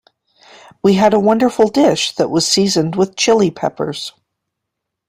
We had a wonderful dish that was seasoned with Chili Peppers.